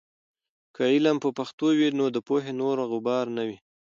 که علم په پښتو وي، نو د پوهې نوره غبار نه وي.